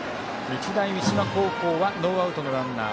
日大三島高校はノーアウトのランナー